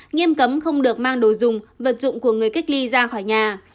nghiêm cấm không được mang đồ dùng vật dụng của người cách ly ra khỏi nhà